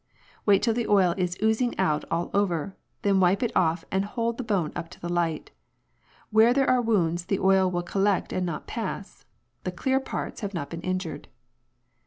Wait till the oil is oozing out all over, then wipe it off and hold the bone up to the light ; where there are wounds the oil will collect and not pass ; the clear parts have not been injured.